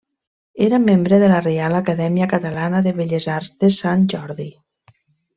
Era membre de la Reial Acadèmia Catalana de Belles Arts de Sant Jordi.